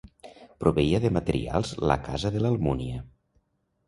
Proveïa de materials la casa de l'Almúnia.